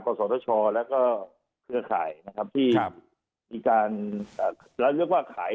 สตชแล้วก็เครือข่ายนะครับที่มีการเราเรียกว่าขาย